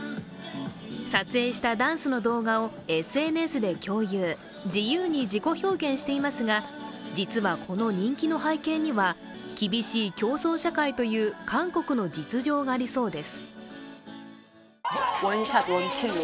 撮影したダンスの動画をＳＮＳで共有自由に自己表現していますが実はこの人気の背景には厳しい競争社会という韓国の実情がありそうです。